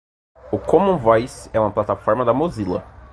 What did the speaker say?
O Common Voice é uma plataforma da Mozilla